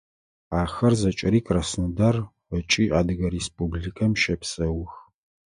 Ахэр зэкӏэри Краснодар ыкӏи Адыгэ Республикэм щэпсэух.